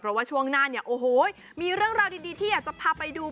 เพราะว่าช่วงหน้าเนี่ยโอ้โหมีเรื่องราวดีที่อยากจะพาไปดู